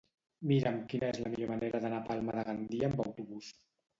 Mira'm quina és la millor manera d'anar a Palma de Gandia amb autobús.